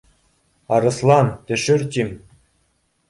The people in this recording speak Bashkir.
Арыҫлан, төшөр, тим